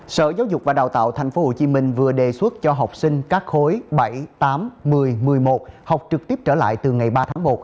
sở giáo dục và đào tạo tp hcm vừa đề xuất cho học sinh các khối bảy tám một mươi một mươi một học trực tiếp trở lại từ ngày ba tháng một